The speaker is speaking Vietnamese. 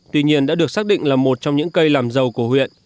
tuy nhiên đã được xác định là một trong những cây làm giàu của huyện